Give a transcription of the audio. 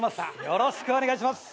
よろしくお願いします。